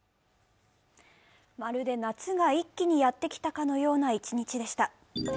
まるで夏が一気にやってきたかのような一日でした。